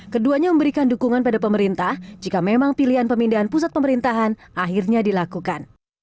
keduanya memberikan dukungan pada pemerintah jika memang pilihan pemindahan pusat pemerintahan akhirnya dilakukan